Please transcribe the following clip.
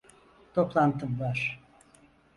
Toplantım var.